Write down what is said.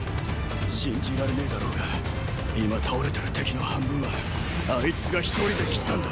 信じられねェだろうが今倒れてる敵の半分はあいつが一人で斬ったんだ。